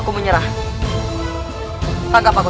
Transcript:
cuman mengapailah aku